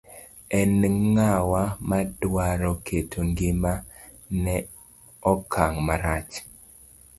En ng'awa madwaro keto ng'ima ne okang' marach.